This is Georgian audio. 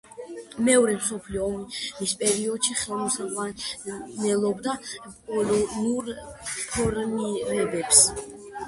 მეორე მსოფლიო ომის პერიოდში ხელმძღვანელობდა პოლონურ ფორმირებებს.